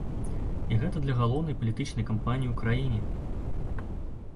І гэта для галоўнай палітычнай кампаніі ў краіне!